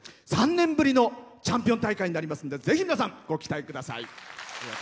３年ぶりの「チャンピオン大会」になりますので、ご期待ください。